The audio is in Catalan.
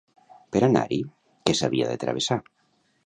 Per anar-hi, què s'havia de travessar?